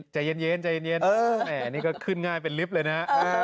ใจเย็นใจเย็นนี่ก็ขึ้นง่ายเป็นลิฟต์เลยนะ